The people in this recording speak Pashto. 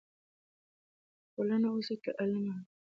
ټولنه اوس له علمه ګټه اخلي.